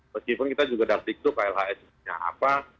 meskipun kita juga udah dikto klhs nya apa